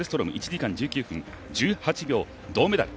１時間１９分１８秒、銅メダル。